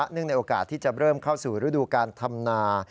เนื่องในโอกาสที่จะเริ่มเข้าสู่ฤดูการธรรมนา